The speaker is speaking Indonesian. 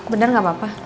benar gak apa apa